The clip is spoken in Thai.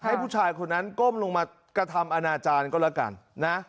ให้ผู้ชายคนนั้นก้มลงมากระทำอนาจารย์ก็แล้วกันนะ